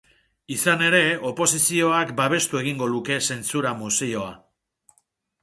Izan ere, oposizioak babestu egingo luke zentsura-mozioa.